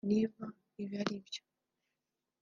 niba ibi aribyo